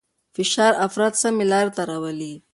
فشار افراد سمې لارې ته راولي.